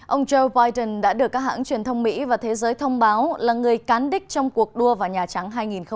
ông joe biden đã được các hãng truyền thông mỹ và thế giới thông báo là người cán đích trong cuộc đua vào nhà trắng hai nghìn một mươi chín